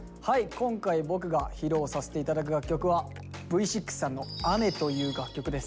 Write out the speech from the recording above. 今回僕が披露させて頂く楽曲はＶ６さんの「雨」という楽曲です。